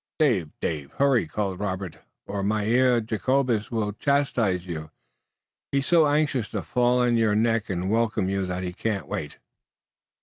"Dave! Dave! Hurry!" called Robert, "or Mynheer Jacobus will chastise you. He's so anxious to fall on your neck and welcome you that he can't wait!"